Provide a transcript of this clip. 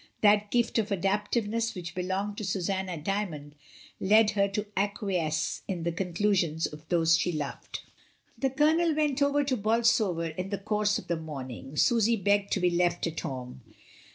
That gift of adaptiveness which belonged to Susanna D3niiond, led her to acquiesce in the conclusions of those she loved. 236 MRS. DYMOND. The Colonel went over to Bolsover in the course of the morning; Susy begged to be left at home.